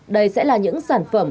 đây sẽ là những sản phẩm